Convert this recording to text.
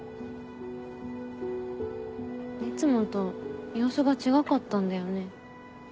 いつもと様子が違かったんだよね。